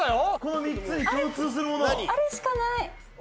あれしかない。